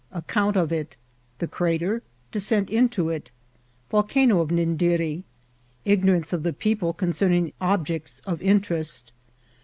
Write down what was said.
— Account of it.— The Crater.— Descent into it.— Volcano of Nindiri. — Ignorance of the People concerning Objects of Interest.